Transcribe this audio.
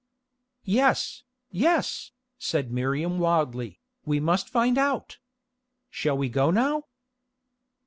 "Yes, yes," said Miriam wildly, "we must find out. Shall we go now?"